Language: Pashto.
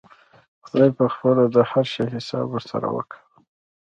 خداى به پخپله د هر شي حساب ورسره وکا.